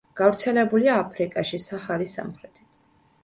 გავრცელებულია აფრიკაში საჰარის სამხრეთით.